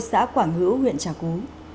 xã quảng hữu huyện trà cú